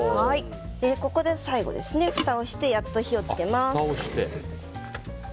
ここで最後、ふたをしてやっと火をつけます。